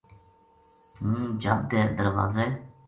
ہوں جھَب دے درواز ے